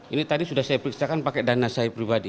ini tadi sudah saya periksakan pakai dana saya pribadi